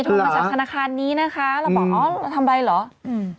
โทรมาจากธนาคารนี้นะคะเราบอกทำไรเหรอ